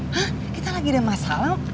hah kita lagi ada masalah